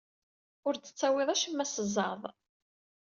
Ur d-tettawyeḍ acemma s zzeɛḍ.